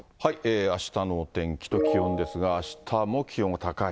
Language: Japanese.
あしたのお天気と気温ですが、あしたも気温が高い。